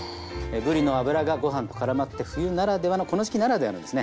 ぶりの脂がご飯と絡まって冬ならではのこの時期ならではのですね